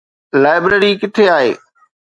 Library ڪٿي آهي؟